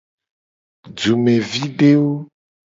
Dumevidewo.